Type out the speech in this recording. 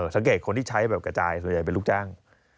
คนที่ใช้แบบกระจายส่วนใหญ่เป็นลูกจ้าง